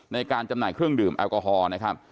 จำหน่ายเครื่องดื่มแอลกอฮอล์นะครับ